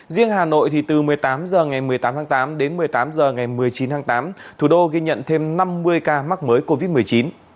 riêng hà nội từ một mươi tám h ngày một mươi tám tháng tám đến một mươi tám h ngày một mươi chín tháng tám thủ đô ghi nhận thêm năm mươi ca mắc mới covid một mươi chín